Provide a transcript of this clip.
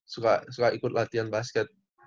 suka ikut latihan basket